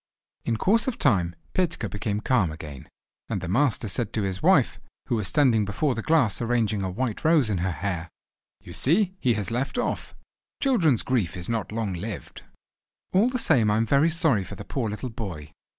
In course of time Petka became calm again, and the master said to his wife, who was standing before the glass arranging a white rose in her hair: "You see he has left off. Children's grief is not long lived." "All the same I am very sorry for the poor little boy."